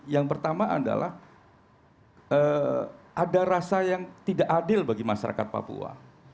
yang pertama adalah ada rasa yang tidak adil bagi masyarakat papua